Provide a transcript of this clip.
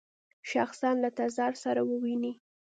شخصاً له تزار سره وویني.